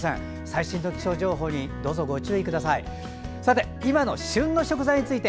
最新の気象情報にご注意ください。